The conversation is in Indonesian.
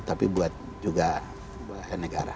tapi buat juga negara